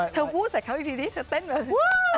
เธอพูดแต่เขาอีกทีเธอเต้นแบบ